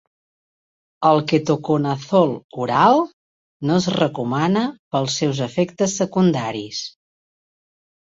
El ketoconazol oral no es recomana pels seus efectes secundaris.